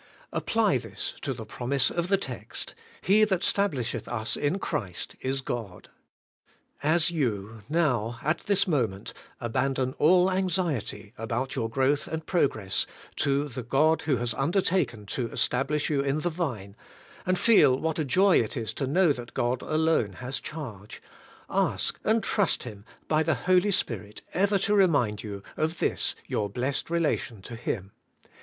Apply this to the promise of the text: 'He that stablisheth us in Christ is God.' As you now, at this moment, abandon all anxiety about your growth and progress to the God who has undertaken to stablish you in the Vine, and feel what a joy it is to know that God alone has charge, ask and trust Him by the Holy Spirit ever to remind you of this your blessed relation to Him.